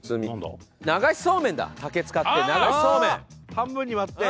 半分に割って。